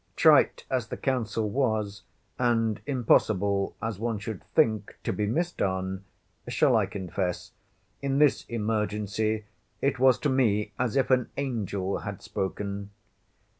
Trite as the counsel was, and impossible, as one should think, to be missed on,—shall I confess?—in this emergency, it was to me as if an Angel had spoken.